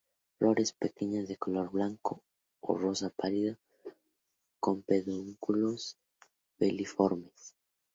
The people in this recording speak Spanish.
Flores pequeñas, de color blanco o rosa pálido; con pedúnculos filiformes.